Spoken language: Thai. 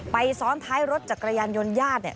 ซ้อนท้ายรถจักรยานยนต์ญาติ